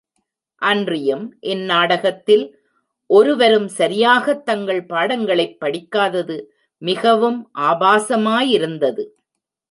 அன்றியும், இந்நாடகத்தில் ஒருவரும் சரியாகத் தங்கள் பாடங்களைப் படிக்காதது மிகவும் ஆபாசமாயிருந்தது.